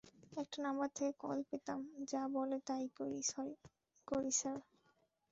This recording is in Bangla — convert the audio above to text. একটা নাম্বার থেকে কল পেতাম, যা বলে, তাই করি, স্যার।